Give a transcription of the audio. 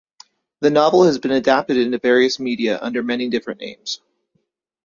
The novel has been adapted into various media, under many different names.